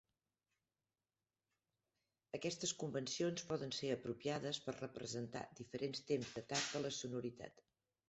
Aquestes convencions poden ser apropiades per representar diferents temps d'atac de la sonoritat.